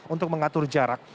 untuk mengatur jarak